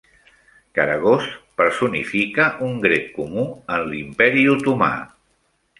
Karagoz personifica un grec comú en l'imperi Otomà.